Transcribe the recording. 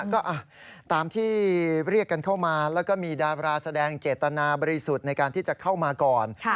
ก็ตามที่เรียกกันเข้ามาแล้วก็มีดาราแสดงเจตนาบริสุทธิ์ในการที่จะเข้ามาก่อน